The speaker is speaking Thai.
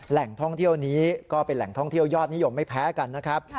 แหล่งท่องเที่ยวนี้ก็เป็นแหล่งท่องเที่ยวยอดนิยมไม่แพ้กันนะครับ